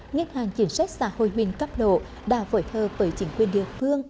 ngân hàng chiến sách xã hội huyên cấp độ đã phổi thơ bởi chính quyền địa phương